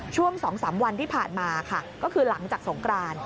ช่วง๒๓วันที่ผ่านมาค่ะก็คือหลังจากสงกราน